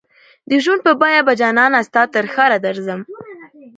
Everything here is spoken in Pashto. د ژوند په بیه به جانانه ستا ترښاره درځم